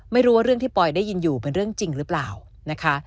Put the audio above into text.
ไม่รู้ว่าเรื่องที่ปอยได้ยินอยู่เป็นเรื่องจริงหรือเปล่านะคะ